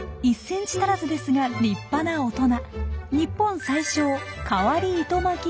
１ｃｍ足らずですが立派な大人。